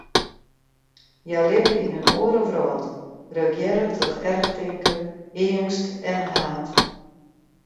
Hja libbe yn in oare wrâld, regearre troch erchtinken, eangst en haat.